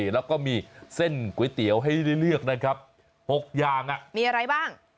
แล้วก็มีเส้นก๋วยเตี๋ยวให้ได้เลือกนะครับ๖อย่างมีอะไรบ้าง